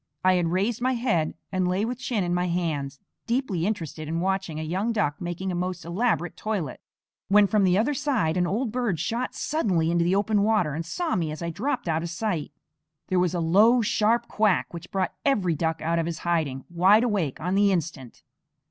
I had raised my head and lay with chin in my hands, deeply interested in watching a young duck making a most elaborate toilet, when from the other side an old bird shot suddenly into the open water and saw me as I dropped out of sight. There was a low, sharp quack which brought every duck out of his hiding, wide awake on the instant.